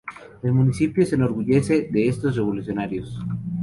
El municipio se enorgullece de estos revolucionarios.